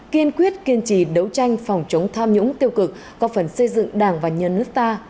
kiên quyết kiên trì đấu tranh phòng chống tham nhũng tiêu cực có phần xây dựng đảng và nhân nước ta